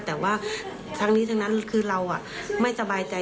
แต่ว่าทั้งนี้ทั้งนั้นคือเราไม่สบายใจ